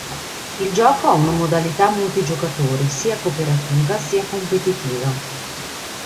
Il gioco ha una modalità multigiocatore, sia cooperativa sia competitiva.